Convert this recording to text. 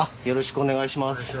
よろしくお願いします。